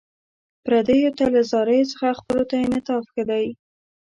پردیو ته له زاریو څخه خپلو ته انعطاف ښه دی.